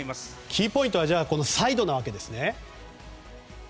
キーポイントはサイドですね。